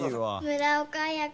「村岡綾佳。